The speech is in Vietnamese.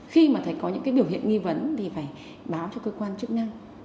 khi mà có những biểu hiện nghi vấn thì phải báo cho cơ quan chức năng